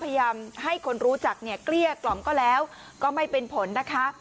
พยายามให้คนรู้จักเนี่ยเกลี้ยกล่อมก็แล้วก็ไม่เป็นผลนะคะ